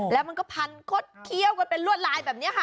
แล้วมันก็พันคดเคี้ยวกันเป็นลวดลายแบบนี้ค่ะ